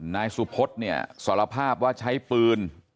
นายสุพธิ์สารภาพว่าใช้ปืน